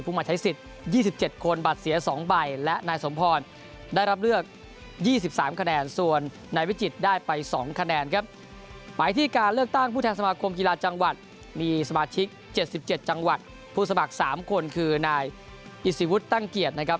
ไปสองคะแนนครับหมายที่การเลือกตั้งผู้แทนสมาคมกีฬาจังหวัดมีสมาชิกเจ็ดสิบเจ็ดจังหวัดผู้สมัครสามคนคือนายอิสิวุธตั้งเกียจนะครับ